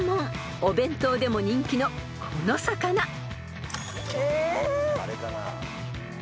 ［お弁当でも人気のこの魚］え！